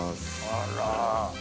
あら。